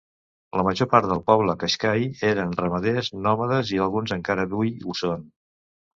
La major part del poble qaixqai eren ramaders nòmades, i alguns encara avui ho són.